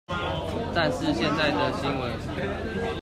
但是現在的新聞